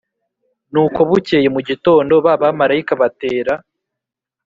Nuko bukeye mu gitondo ba bamarayika batera